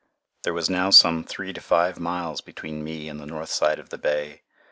There was now some three to five miles between me and the north side of the bay.